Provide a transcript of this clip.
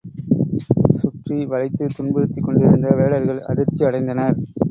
சுற்றி வளைத்துத் துன்புறுத்திக் கொண்டிருந்த வேடர்கள் அதிர்ச்சி அடைந்தனர்.